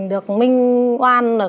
được minh oan